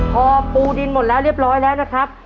พอปูดินหมดแล้วเรียบร้อยแล้วนะครับ